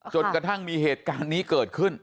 จนกระทั่งมีเหตุการณ์นี้เกิดขึ้น